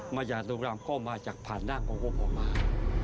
มาจากเจตุคามก็มาจากผ่านหน้ากองค์โกพองมา